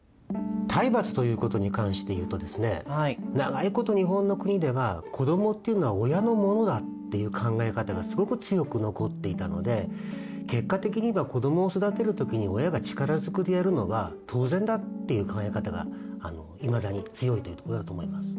体罰ということに関していうとですね長いこと日本の国では子どもっていうのは親のものだっていう考え方がすごく強く残っていたので結果的には子どもを育てる時に親が力ずくでやるのは当然だっていう考え方がいまだに強いというとこだと思います。